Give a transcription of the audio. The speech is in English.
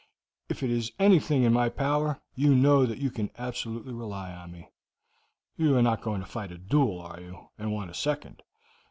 If it is anything in my power, you know that you can absolutely rely upon me. You are not going to fight a duel, are you, and want a second?"